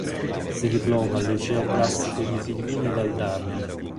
Si diploma al liceo classico di Figline Valdarno.